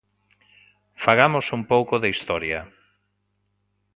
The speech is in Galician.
Fagamos un pouco de historia.